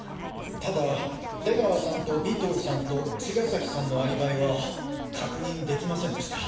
ただ出川さんと尾藤さんと茅ヶ崎さんのアリバイは確認できませんでした。